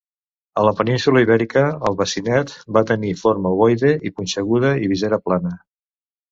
A la península Ibèrica, el bacinet va tenir forma ovoide i punxeguda i visera plana.